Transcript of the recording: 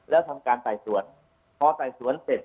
แล้วทำการไต่สวนพอไต่สวนเสร็จ